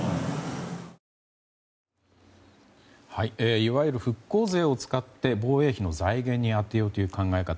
いわゆる復興税を使って防衛費の財源に充てようという考え方。